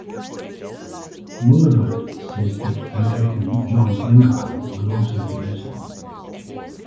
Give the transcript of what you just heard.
Bullivant says that American John Blenkiron will also be useful.